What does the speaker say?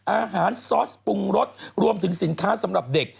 อาหารซอสปรุงรสรวมถึงสินค้าสำหรับเด็ก